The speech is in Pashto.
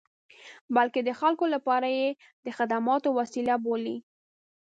بلکې د خلکو لپاره یې د خدماتو وسیله بولي.